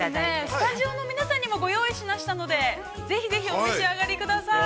◆スタジオの皆さんにもご用意しましたので、ぜひぜひお召し上がりください。